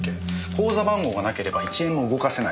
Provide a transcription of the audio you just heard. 口座番号がなければ１円も動かせない。